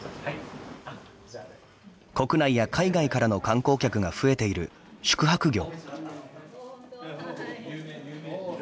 国内や海外からの観光客が増えている宿泊業。